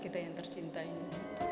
kita yang tercinta ini